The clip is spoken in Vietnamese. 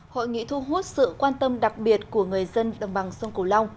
hội nghị thu hút sự quan tâm đặc biệt của người dân đồng bằng sông cổ long